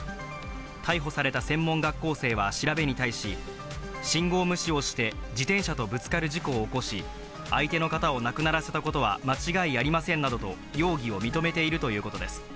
逮捕された専門学校生は調べに対し、信号無視をして、自転車とぶつかる事故を起こし、相手の方を亡くならせたことは間違いありませんなどと容疑を認めているということです。